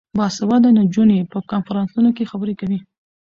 باسواده نجونې په کنفرانسونو کې خبرې کوي.